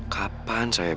kapan saya berpikir